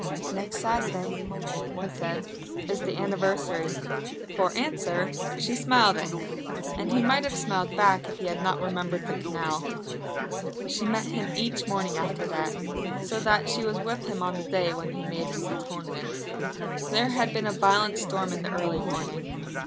"Next Saturday," he said, "is the anniversary!" For answer she smiled at him, and he might have smiled back if he had not remembered the canal. She met him each morning after that, so that she was with him on the day when he made his atonement. There had been a violent storm in the early morning.